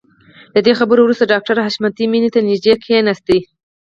له دې خبرو وروسته ډاکټر حشمتي مينې ته نږدې کښېناست.